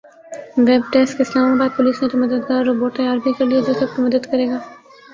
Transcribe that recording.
web desk Islamabad police نے تو مددگار روبوٹ تیار بھی کرلیا جو سب کی مدد کرے گا